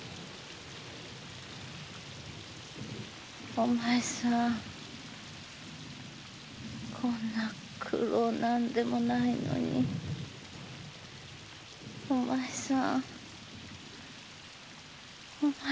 お前さんこんな苦労何でもないのにお前さん。